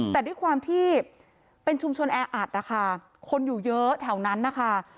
แต่ด้วยความที่เป็นชุมชนแออัดนะคะคนอยู่เยอะแถวนั้นนะคะ